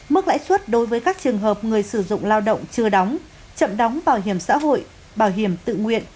mức lãi suất đối với các trường hợp người sử dụng lao động chưa đóng chậm đóng bảo hiểm xã hội bảo hiểm tự nguyện